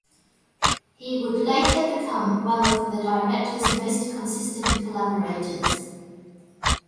He would later become one of the director's most consistent collaborators.